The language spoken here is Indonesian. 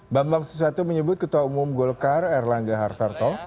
bambang susatyo menyebut ketua umum golkar erlangga hartarto